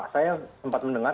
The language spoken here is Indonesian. saya sempat mendengar